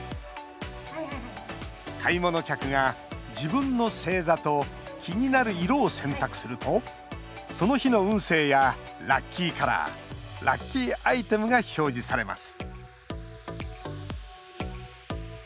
買い物客が、自分の星座と気になる色を選択するとその日の運勢やラッキーカラーラッキーアイテムが表示されます